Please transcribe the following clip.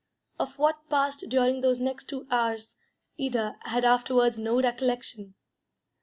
Of what passed during those next two hours Ida had afterwards no recollection.